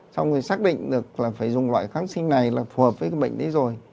xong thì xác định được là phải dùng loại kháng sinh này là phù hợp với cái bệnh đấy rồi